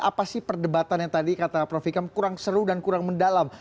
apa sih perdebatan yang tadi kata prof ikam kurang seru dan kurang mendalam